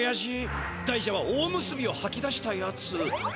だいじゃはおおむすびをはき出したやつ。